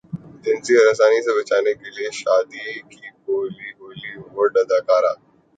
جنسی ہراسانی سے بچنے کیلئے شادی کی ہولی وڈ اداکارہ